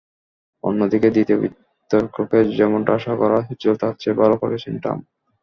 অন্যদিকে দ্বিতীয় বিতর্কে যেমনটা আশা করা হচ্ছিল, তার চেয়ে ভালো করেছেন ট্রাম্প।